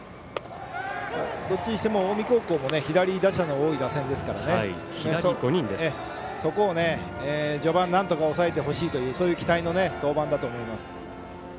どっちにしても近江高校も左打者の多い打線ですからそこを序盤なんとか抑えてほしいという期待の登板だと思います。